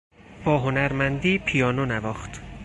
با هنرمندی پیانو نواخت.